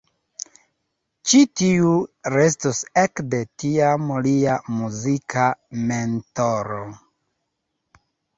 Ĉi tiu restos ekde tiam lia muzika mentoro.